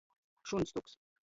Šunstuks.